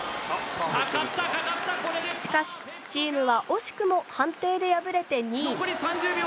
しかしチームは惜しくも判定で敗れて２位。